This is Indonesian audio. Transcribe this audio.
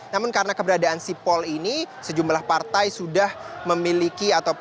namun karena keberadaan sipol ini sejumlah partai sudah memiliki